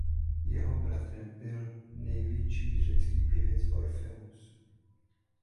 Jeho bratrem byl největší řecký pěvec Orfeus.